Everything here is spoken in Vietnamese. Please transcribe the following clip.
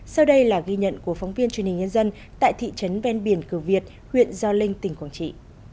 sau đây là ghi nhận của phóng viên truyền hình nhân dân tại thị trấn ven biển cửa việt huyện gio linh tỉnh quảng trị